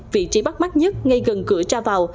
vị trí bắt mắt nhất ngay gần cửa ra vào